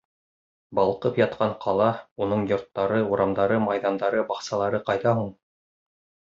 Балҡып ятҡан ҡала, уның йорттары, урамдары, майҙандары, баҡсалары ҡайҙа һуң?